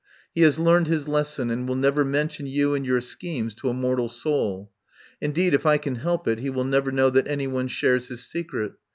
He has learned his lesson, and will never mention you and your schemes to a mortal soul. Indeed, if I can help it, he will never know that anyone shares his secret.